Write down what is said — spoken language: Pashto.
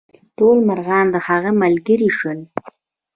ټول مرغان د هغه ملګري شول.